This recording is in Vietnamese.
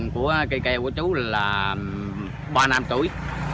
cây keo của chú là ba năm tuổi